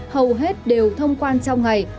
hầu hết đều thông quan trong ngày